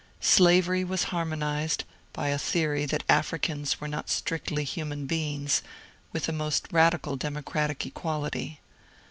Slavery was harmonized, by a theory that Africans were not strictly human beings, with the most radical democratic equality.